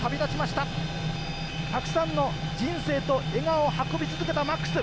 たくさんの人生と笑顔を運び続けたＭａｘ。